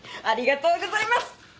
ありがとうございます。